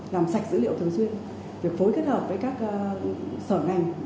làm sạch dữ liệu thường xuyên việc phối kết hợp với các sở ngành